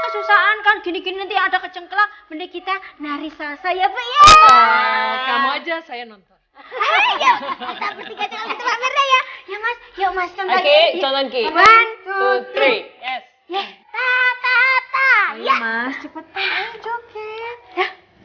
susahkan gini gini ada kecengklak kita nari saya ya kamu aja saya nonton